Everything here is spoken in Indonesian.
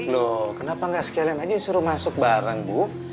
loh kenapa gak sekian aja suruh masuk bareng bu